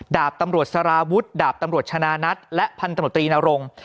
ดาบตำรวจสารวุฒิดาบตำรวจชนะนัทและพันธมตรีนรงค์